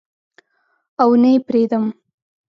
او نه یې پریدم